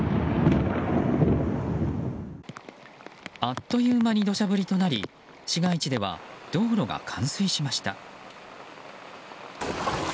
あっという間にどしゃ降りとなり市街地では、道路が冠水しました。